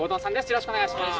よろしくお願いします。